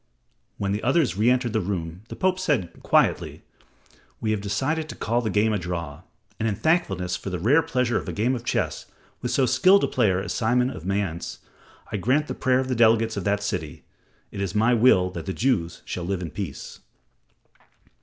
When the others re entered the room, the Pope said quietly, "We have decided to call the game a draw, and in thankfulness for the rare pleasure of a game of chess with so skilled a player as Simon of Mayence, I grant the prayer of the delegates of that city. It is my will that the Jews shall live in peace."